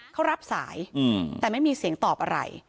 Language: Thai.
เขารับสายแต่ไม่มีเสียงตอบอะไร